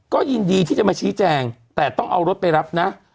ก็ยินดีที่จะมาชี้แจงแต่ต้องเอารถไปรับนะ